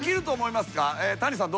谷さん。